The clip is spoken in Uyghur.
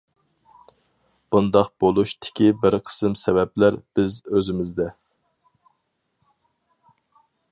بۇنداق بولۇشتىكى بىر قىسىم سەۋەبلەر بىز ئۆزىمىزدە.